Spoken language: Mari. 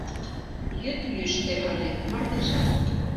Йӱд йӱштӧ ыле, мардежан.